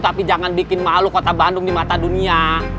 tapi jangan bikin malu kota bandung di mata dunia